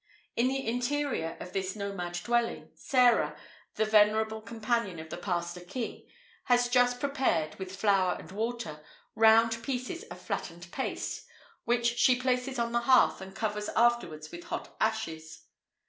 In the interior of this nomad dwelling, Sarah, the venerable companion of the Pastor King, has just prepared, with flour and water, round pieces of flattened paste, which she places on the hearth, and covers afterwards with hot ashes.